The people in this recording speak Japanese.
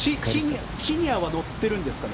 シニアは乗ってるんですかね。